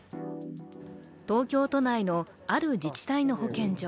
東京都内のある自治体の保健所。